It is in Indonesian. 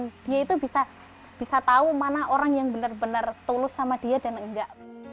dia itu bisa tahu mana orang yang benar benar tulus sama dia dan enggak